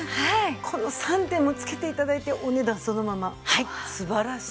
この３点も付けて頂いてお値段そのまま素晴らしい。